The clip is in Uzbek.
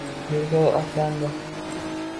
yo'lga otlandi.